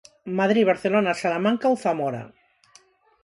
Madrid, Barcelona, Salamanca ou Zamora.